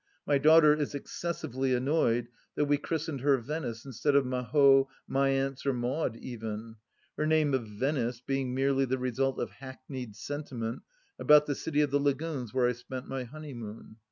My daughter is excessively annoyed that we christened her Venice instead of Mahaud, Maentz, or Maud even ; her name of Venice being merely the result of hackneyed sentiment about the City of the Lagoons where I spent my honeymoon.